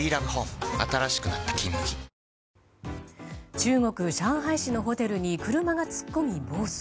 中国・上海市のホテルに車が突っ込み暴走。